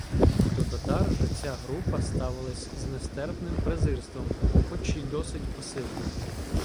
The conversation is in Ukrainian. До татар же ця група ставилась з нестерпним презирством, хоч й досить пасивним.